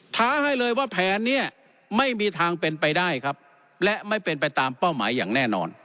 ท้าให้เลยว่าแผนเนี่ยไม่มีทางเป็นไปได้ครับและไม่เป็นไปตามเป้าหมายอย่างแน่นอน